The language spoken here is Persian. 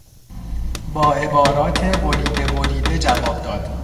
با عبارات بریده بریده جواب داد.